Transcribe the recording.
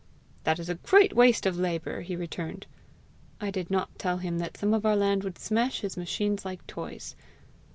'That is a great waste of labour!' he returned. I did not tell him that some of our land would smash his machines like toys.